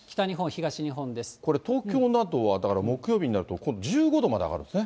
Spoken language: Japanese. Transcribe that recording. これ、東京などはだから、木曜日になると今度１５度まで上がるんですね。